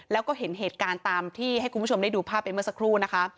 แล้วก็เห็นเหตุการณ์ตามที่ให้คุณผู้ชมได้ดูภาพไปเมื่อสักครู่นะคะ